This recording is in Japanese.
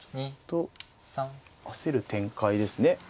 焦る展開ですね。